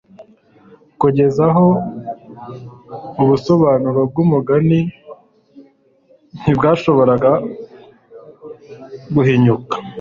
Kugeza aho, ubusobanuro bw’umugani ntibwashoboraga guhinyuka ;